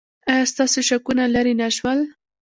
ایا ستاسو شکونه لرې نه شول؟